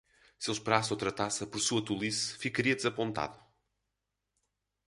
Se ele esperasse outra taça por sua tolice, ficaria desapontado!